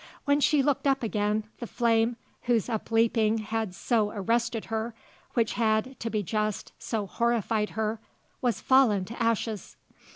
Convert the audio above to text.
When she looked up again, the flame whose up leaping had so arrested her, which had, to be just, so horrified her, was fallen to ashes.